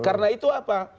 karena itu apa